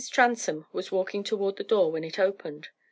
Transome was walking toward the door when it opened.